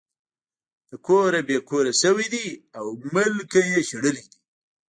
د کوره بې کوره شوے دے او ملک نه شړلے شوے دے